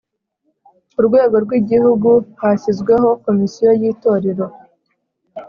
Ku rwego rw Igihugu hashyizweho Komisiyo yitorero